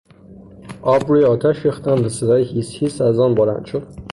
آب روی آتش ریختم و صدای هیس هیس از آن بلند شد.